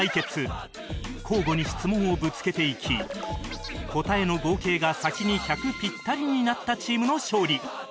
交互に質問をぶつけていき答えの合計が先に１００ピッタリになったチームの勝利